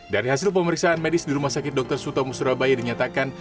dari hasil pemeriksaan medis di rumah sakit dr sutomo surabaya dinyatakan